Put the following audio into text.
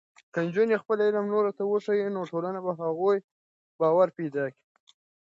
که نجونې خپل علم نورو ته وښيي، نو ټولنه په هغوی باور پیدا کوي.